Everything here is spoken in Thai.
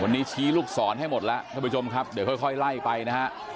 วันนี้ชี้ลูกศรให้หมดแล้วท่านผู้ชมครับเดี๋ยวค่อยไล่ไปนะฮะ